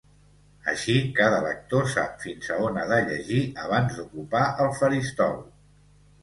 Així cada lector sap fins on ha de llegir abans d'ocupar el faristol.